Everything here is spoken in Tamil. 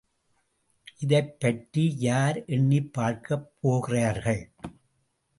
இதைப் பற்றி யார் எண்ணிப் பார்க்கப் போகிறார்கள்?